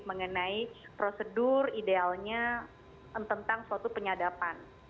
mengenai prosedur idealnya tentang suatu penyadapan